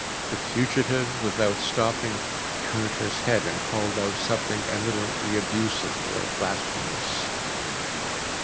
The fugitive, without stopping, turned his head and called out something evidently abusive or blasphemous.